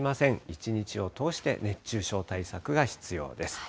一日を通して熱中症対策が必要です。